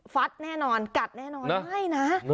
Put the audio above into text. แน่นอนกัดแน่นอนไม่นะ